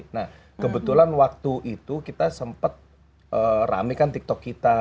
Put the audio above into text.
nah kebetulan waktu itu kita sempet rame kan tiktok kita